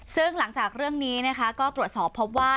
ซึ่งหลังจากเรื่องนี้นะคะก็ตรวจสอบพบว่า